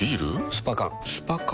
スパ缶スパ缶？